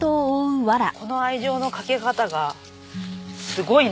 この愛情のかけ方がすごいなと。